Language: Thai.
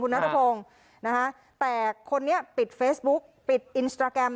นัทพงศ์นะคะแต่คนนี้ปิดเฟซบุ๊กปิดอินสตราแกรม